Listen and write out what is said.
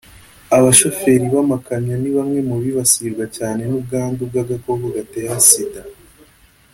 Abashoferi b’amakamyo ni bamwe mu bibasirwa cyane n’ubwandu bw’agakoko gatera Sida